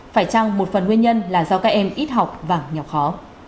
phải chăng một phần nguyên nhân là do các em ít học vàng nhọc khó